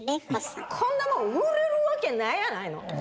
こんなもん売れるわけないやないの！